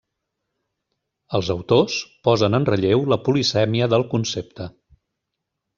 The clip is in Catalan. Els autors posen en relleu la polisèmia del concepte.